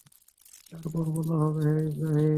তারপর বলা হবেঃ হে ইবরাহীম!